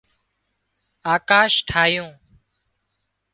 آڪاش ٺاهيون